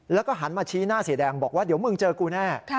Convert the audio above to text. แล้วก็หันมาชี้หน้าเสียแดงบอกว่าเดี๋ยวมึงเจอกูแน่